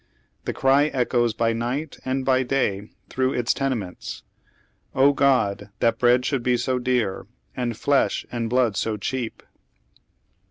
The cry echoes by night and hy day through its tenements : Oh, God 1 that bread should be bo dear, And flesli aad blood so cheap